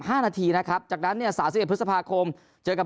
ห้านาทีนะครับจากนั้นเนี่ยสามสิบเอ็ดพฤษภาคมเจอกับ